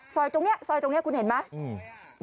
ตรงนี้ซอยตรงนี้คุณเห็นไหม